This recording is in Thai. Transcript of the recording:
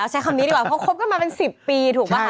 ใช้คำนี้ดีกว่าเพราะคบกันมาเป็น๑๐ปีถูกป่ะคะ